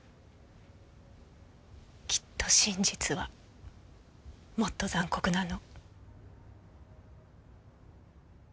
きっと真実はもっと残酷なの。